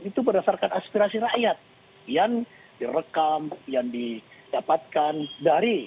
itu berdasarkan aspirasi rakyat yang direkam yang didapatkan dari